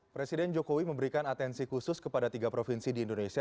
presiden jokowi memberikan atensi khusus kepada tiga provinsi di indonesia